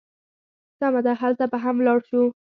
سمه ده، هلته به هم ولاړ شو.